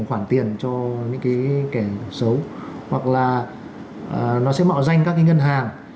một khoản tiền cho những kẻ xấu hoặc là nó sẽ mạo danh các ngân hàng